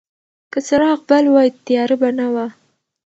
که څراغ بل وای، تیاره به نه وه.